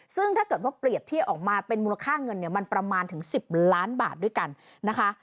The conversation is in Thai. ซึ่งถ้าเกิดว่าเปรียบเทียบออกมาเป็นมูลค่าเงินเนี่ยมันประมาณถึง๑๐ล้านบาทด้วยกันนะคะ